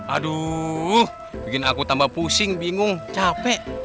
aduh bikin aku tambah pusing bingung capek